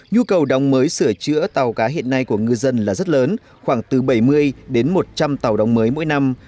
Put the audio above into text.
nhu cầu đóng mới sửa chữa tàu cá hiện nay của ngư dân là rất lớn khoảng từ bảy mươi đến một trăm linh tàu đồng mới mỗi năm